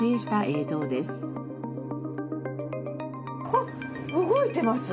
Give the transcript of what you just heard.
あっ動いてます！